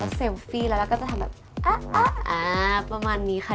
เอาเซลฟี่แล้วก็จะทำแบบอ่ะอ่าประมาณนี้ค่ะ